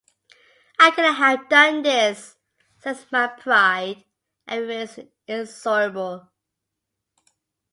'I cannot have done this,' says my Pride, and remains inexorable.